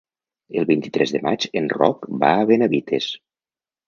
El vint-i-tres de maig en Roc va a Benavites.